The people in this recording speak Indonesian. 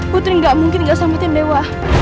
putri gak mungkin gak sambutin dewa